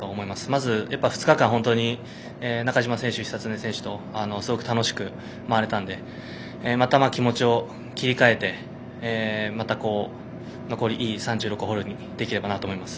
まずは２日間中島選手、久常選手とすごく楽しく回れたのでまた気持ちを切り替えて残り、いい３６ホールにできればなと思います。